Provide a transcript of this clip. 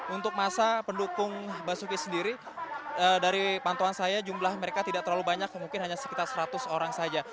untuk masa pendukung basuki sendiri dari pantauan saya jumlah mereka tidak terlalu banyak mungkin hanya sekitar seratus orang saja